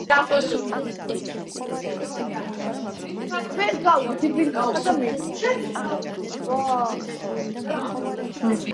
აგებულია რამდენიმე ჰიდროელექტროსადგური.